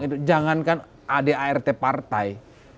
itu jangankan adart partai